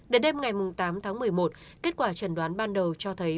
đến đêm ngày tám tháng một mươi một kết quả trần đoán ban đầu cho thấy